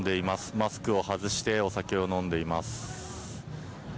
マスクを外してお酒を飲んでいます。